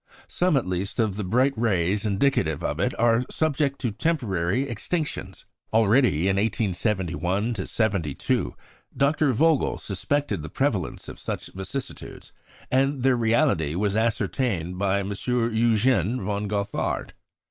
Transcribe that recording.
Some at least of the bright rays indicative of it are subject to temporary extinctions. Already in 1871 72, Dr. Vogel suspected the prevalence of such vicissitudes; and their reality was ascertained by M. Eugen von Gothard.